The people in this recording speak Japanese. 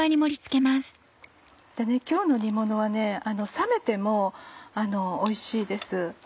今日の煮ものは冷めてもおいしいです。